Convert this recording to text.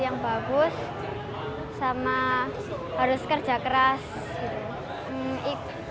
saya ingin menjadi seorang atlet dan mencapai cita cita yang lebih tinggi